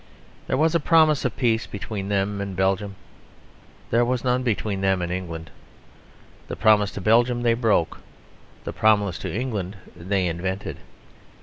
There was a promise of peace between them and Belgium; there was none between them and England. The promise to Belgium they broke. The promise of England they invented.